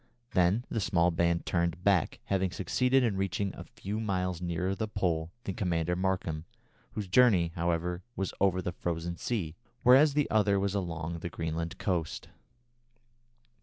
Then the small band turned back, having succeeded in reaching a few miles nearer the Pole than Commander Markham, whose journey, however, was over the frozen sea, whereas the other was along the Greenland coast.